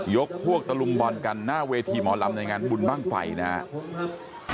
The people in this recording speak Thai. พวกตะลุมบอลกันหน้าเวทีหมอลำในงานบุญบ้างไฟนะครับ